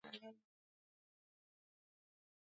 Umejivika utukufu, wewe ni Mungu